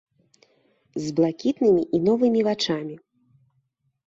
З блакітнымі і новымі вачамі.